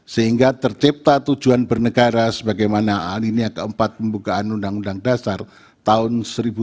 sehingga tercipta tujuan bernegara sebagaimana alinia keempat pembukaan undang undang dasar tahun seribu sembilan ratus empat puluh lima